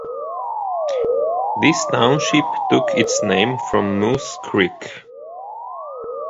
This township took its name from Moose Creek.